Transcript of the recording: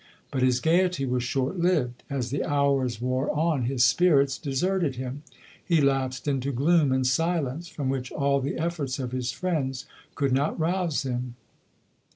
But his gaiety was short lived. As the hours wore on his spirits deserted him; he lapsed into gloom and silence, from which all the efforts of his friends could not rouse him.